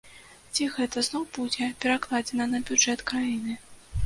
Ці гэта зноў будзе перакладзена на бюджэт краіны?